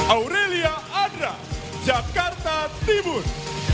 aurelia adra jakarta timur